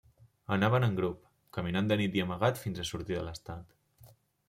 Anaven en grup, caminant de nit i d'amagat fins a sortir de l'estat.